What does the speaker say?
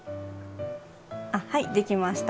あはいできました。